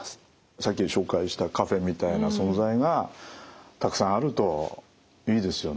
さっき紹介したカフェみたいな存在がたくさんあるといいですよね。